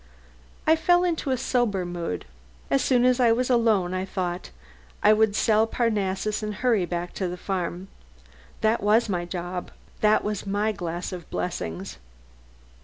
I fell into a sober mood. As soon as I was alone, I thought, I would sell Parnassus and hurry back to the farm. That was my job, that was my glass of blessings.